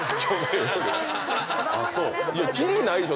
切りないでしょ。